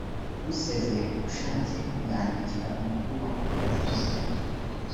usezeye ku bushake yandikira umukuru wa koperative